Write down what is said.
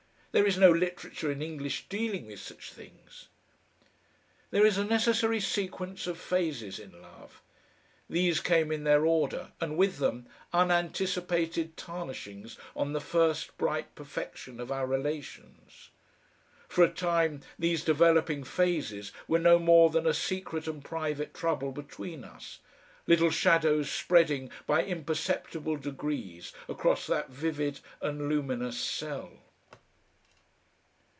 There is no literature in English dealing with such things. There is a necessary sequence of phases in love. These came in their order, and with them, unanticipated tarnishings on the first bright perfection of our relations. For a time these developing phases were no more than a secret and private trouble between us, little shadows spreading by imperceptible degrees across that vivid and luminous cell.